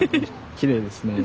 きれいですねえ。